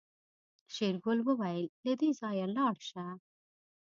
شېرګل وويل له دې ځايه لاړه شه.